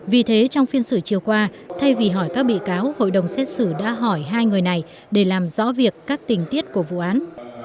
vì thế trong phiên xử chiều qua thay vì hỏi các bị cáo hội đồng xét xử đã hỏi hai người này để làm rõ việc các tình tiết của vụ án